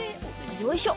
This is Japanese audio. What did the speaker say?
よいしょ。